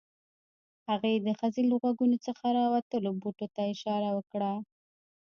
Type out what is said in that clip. هغې د ښځې له غوږونو څخه راوتلو بوټو ته اشاره وکړه